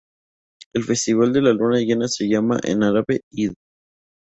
El festival de la luna llena se llama en árabe "Id".